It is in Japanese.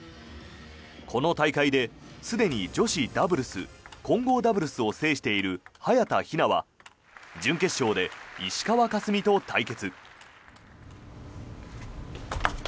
この大会で、すでに女子ダブルス混合ダブルスを制している早田ひなは準決勝で石川佳純と対決。